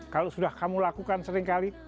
kalau sudah kamu lakukan seringkali